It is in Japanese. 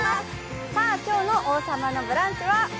さあ、今日の「王様のブランチ」は？